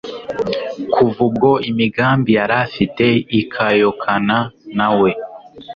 kuva ubwo imigambi yari afite ikayokana na we